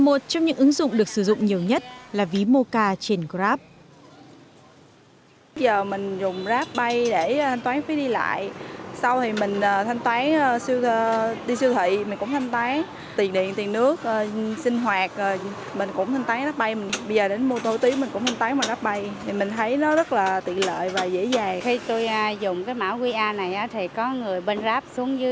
một trong những ứng dụng được sử dụng nhiều nhất là ví mocha trên grab